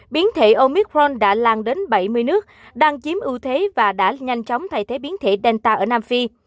biến thể omicron đã lan đến bảy mươi nước đang chiếm ưu thế và đã nhanh chóng thay thế biến thể delta ở nam phi